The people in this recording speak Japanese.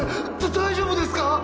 大丈夫ですか！？